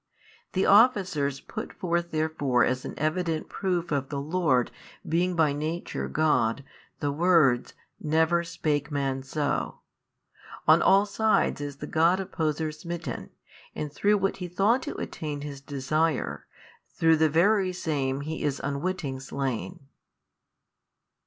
The officers put forth therefore as an evident proof of the Lord |557 being by Nature God, the words Never spake man so. On all sides is the God opposer smitten, and through what he thought to attain his desire, through the very same is he unwitting slain.